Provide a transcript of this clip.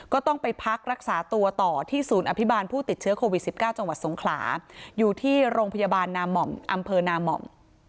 ก็ต้องไปพักรักษาตัวต่อที่ศูนย์อภิบาลผู้ติดเชื้อโควิด๑๙จังหวัดสงขลาอยู่ที่โรงพยาบาลนาม่อมอำเภอนาม่อม